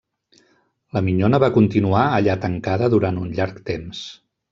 La minyona va continuar allà tancada durant un llarg temps.